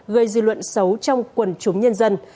gây dư luận xấu trong quần chúng nhân dân